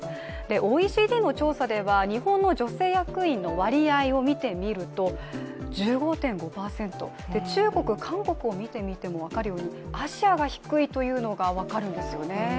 ＯＥＣＤの調査では、日本の女性役員の割合を見てみると１５．５％で中国、韓国を見て分かるようにアジアが低いというのが分かるんですよね。